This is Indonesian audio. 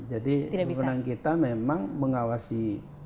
jadi kebenaran kita memang mengawasi